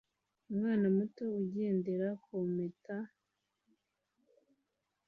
Umwana muto ugendera ku mpeta